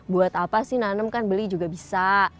buat apa sih nanem kan beli juga bisa